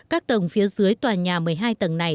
các tầng phía dưới tòa nhà một mươi hai tầng này